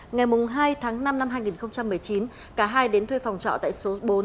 ngày hai tháng năm năm hai nghìn một mươi chín cả hai đến thuê phòng trọ tại số bốn